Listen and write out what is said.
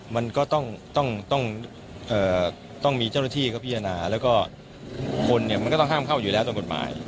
มันก็ต้องมีเจ้าหน้าที่เขาพิจารณาแล้วก็คนเนี่ยมันก็ต้องห้ามเข้าอยู่แล้วตามกฎหมาย